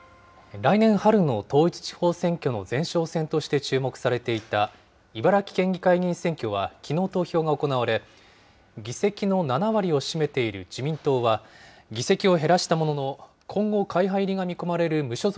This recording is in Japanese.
来年春の統一地方選挙の前哨戦として注目されていた茨城県議会議員選挙は、きのう投票が行われ、議席の７割を占めている自民党は、議席を減らしたものの、今後、会派入りが見込まれる無所属